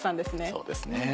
そうですね。